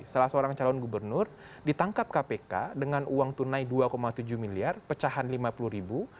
salah seorang calon gubernur ditangkap kpk dengan uang tunai dua tujuh miliar pecahan lima puluh ribu